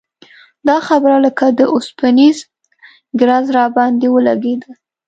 دا خبره لکه د اوسپنیز ګرز راباندې ولګېده.